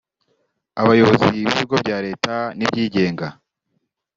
abayobozi b’ibigo bya Leta n’ibyigenga